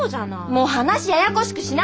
もう話ややこしくしないで。